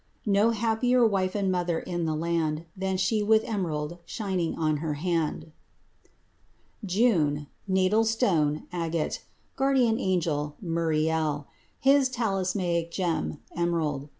No happier wife and mother in the land Than she with emerald shining on her hand. JUNE Natal stone Agate. Guardian angel Muriel. His talismanic gem Emerald.